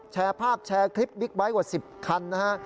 แชร์ภาพแชร์คลิปบิ๊กไบท์กว่า๑๐คันนะฮะ